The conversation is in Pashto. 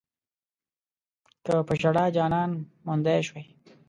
که پۀ ژړا جانان موندی شوی